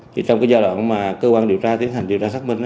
trong giai đoạn mà cơ quan điều tra tiến hành điều tra xác minh